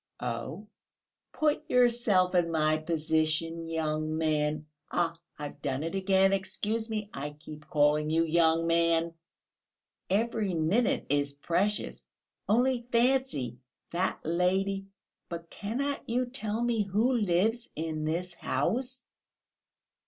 "Oh!" "Put yourself in my position, young man (ah, I've done it again; excuse me, I keep calling you young man). Every minute is precious.... Only fancy, that lady ... but cannot you tell me who lives in this house?"